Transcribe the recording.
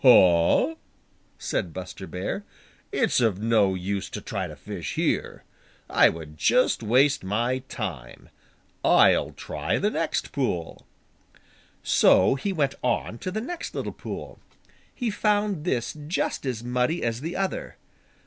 "Huh!" said Buster Bear. "It's of no use to try to fish here. I would just waste my time. I'll try the next pool." So he went on to the next little pool. He found this just as muddy as the other.